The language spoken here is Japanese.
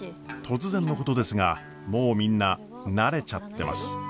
突然のことですがもうみんな慣れちゃってます。